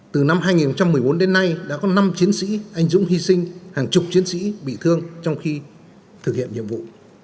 từ năm hai nghìn một mươi bốn đến nay đã có năm chiến sĩ anh dũng hy sinh hàng chục chiến sĩ bị thương trong khi thực hiện nhiệm vụ